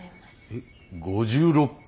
えっ５６分？